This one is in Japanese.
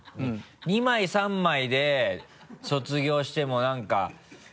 ２枚３枚で卒業してもなんか。